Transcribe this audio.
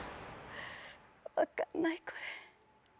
分かんないこれ。